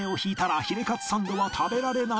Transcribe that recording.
はい。